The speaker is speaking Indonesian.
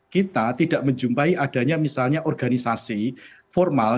kita tidak menjumpai adanya misalnya organisasi formal